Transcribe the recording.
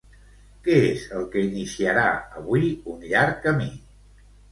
Què és el que iniciarà avui un llarg camí?